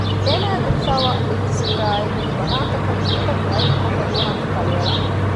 އޭނާއަށް ލިބިފައިވާ ރީތި ސޫރައާއި ވަނާތަކަށް އެތަށް ބައެއް ކޮންމެ ދުވަހަކު ކަޅިއަޅަ